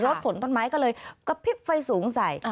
รถขนต้นไม้ก็เลยกระพริบไฟสูงใส่